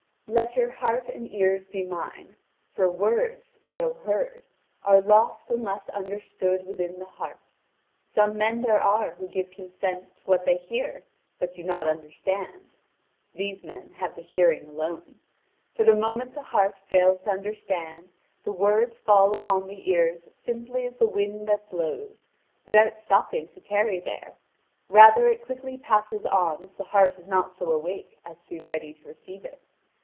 Let your heart and ears be mine. For words, though heard, are lost unless understood within the heart. Some men there are who give consent to what they hear but do not understand: these men have the hearing alone. For the moment the heart fails to understand, the word falls upon the ears simply as the wind that blows, without stopping to tarry there; rather it quickly passes on if the heart is not so awake as to be ready to receive it.